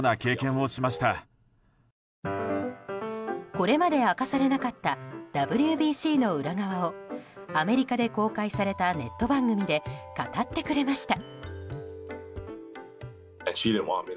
これまで明かされなかったＷＢＣの裏側をアメリカで公開されたネット番組で語ってくれました。